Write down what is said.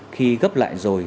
khi gấp lại rồi